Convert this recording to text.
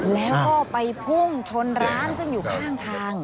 แล้วก็ไปพุ่งชนร้านซึ่งอยู่ข้างทาง